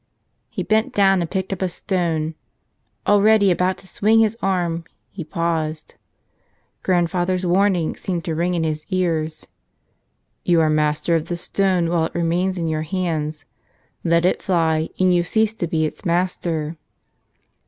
He bent down and picked up a stone. Already about to swing his arm, he paused. Grandfather's warning seemed to ring in his ears: "You are master of the stone while it remains in your hands ; let it fly and you cease to be its master